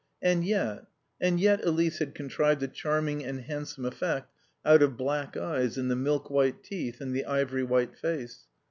And yet and yet Elise had contrived a charming and handsome effect out of black eyes and the milk white teeth in the ivory white face.